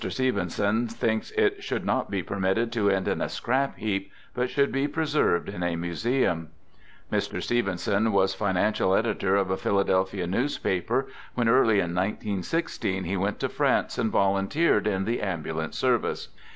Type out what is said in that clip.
Stevenson thinks it should not be permitted to end on a scrap heap, but should be preserved in a museum. Mr. Stevenson was financial editor of a Philadel phia newspaper, when early in 1916 he went to France and volunteered in the ambulance service.